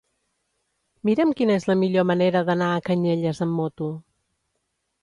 Mira'm quina és la millor manera d'anar a Canyelles amb moto.